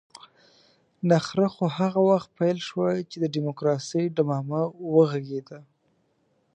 نخره خو هغه وخت پيل شوه چې د ډيموکراسۍ ډمامه وغږېده.